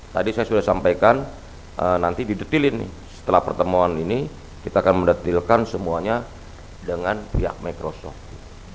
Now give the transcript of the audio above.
tadi saya sudah sampaikan nanti didetilin setelah pertemuan ini kita akan mendetilkan semuanya dengan pihak microsoft